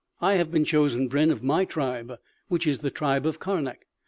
I have been chosen brenn of my tribe, which is the tribe of Karnak.